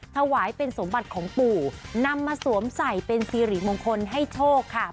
ถวายเป็นสมบัติของปู่นำมาสวมใส่เป็นสิริมงคลให้โชคค่ะ